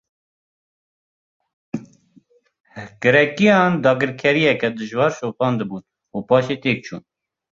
Grekiyan, dagirkeriyeke dijwar şopandibûn û paşê têk çûn